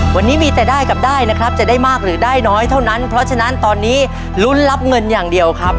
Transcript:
วันนี้มีแต่ได้กับได้นะครับจะได้มากหรือได้น้อยเท่านั้นเพราะฉะนั้นตอนนี้ลุ้นรับเงินอย่างเดียวครับ